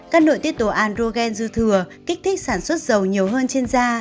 các nội tiết tố androgen dư thừa kích thích sản xuất dầu nhiều hơn trên da